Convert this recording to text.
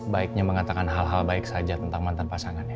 baiknya mengatakan hal hal baik saja tentang mantan pasangannya